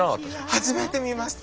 初めて見ました。